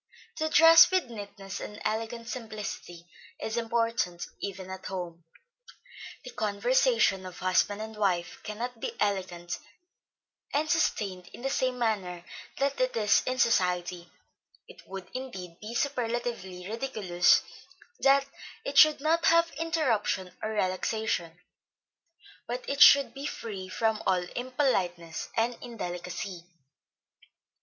To dress with neatness, and elegant simplicity is important, even at home. The conversation of husband and wife cannot be elegant, and sustained in the same manner that it is in society; it would indeed be superlatively ridiculous that it should not have interruption or relaxation, but it should be free from all impoliteness and indelicacy.